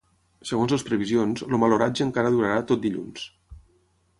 Segons les previsions, el mal oratge encara durarà tot dilluns.